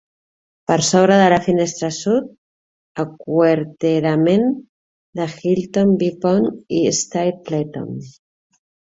Per sobre de la finestra sud: aquarterament de Hylton, Vipont i Stapleton.